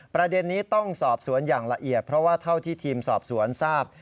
ประเด็นนี้ต้องสอบสวนอย่างละเอียดเพราะว่าเท่าที่ทีมสอบสวนทราบ